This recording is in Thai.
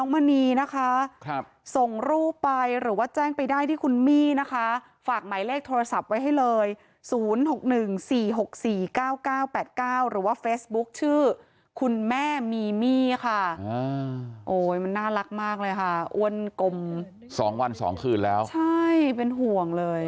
หยุดอ้วนกลม๒วัน๒คืนแล้วใช่เป็นห่วงเลย